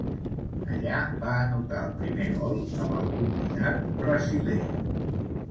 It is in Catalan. Allí va anotar el primer gol amb el combinat brasiler.